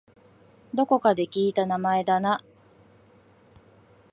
どこかで聞いた名前だな